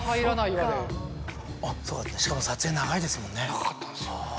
長かったんですよ。